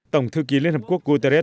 tổng thư ký liên hợp quốc guterres